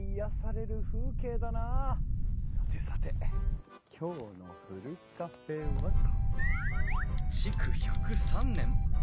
さてさて今日のふるカフェはと。